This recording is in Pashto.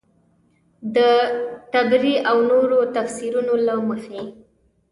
د طبري او نورو تفیسیرونو له مخې.